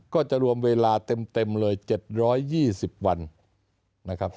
ก็จะรวมเวลาเต็มเลย๗๒๐วันนะครับ